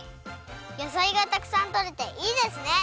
やさいがたくさんとれていいですね！